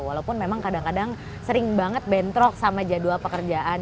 walaupun memang kadang kadang sering banget bentrok sama jadwal pekerjaan